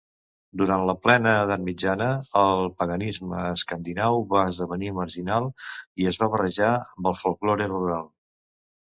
Durant la plena edat mitjana, el paganisme escandinau va esdevenir marginal i es va barrejar amb el folklore rural.